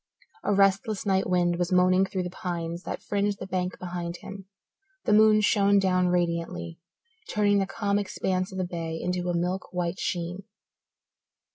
A restless night wind was moaning through the pines that fringed the bank behind him; the moon shone down radiantly, turning the calm expanse of the bay into a milk white sheen.